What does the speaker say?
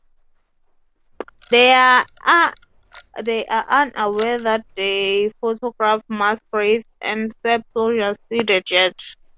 They are unaware that they photographed mass graves, and Serb soldiers see the jet.